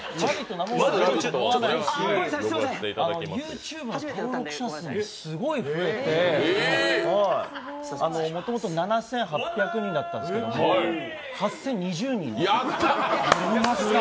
生放送だとは思わないし、ＹｏｕＴｕｂｅの登録者数もすごい増えて、もともと７８００人だったんですけど８０２０人に。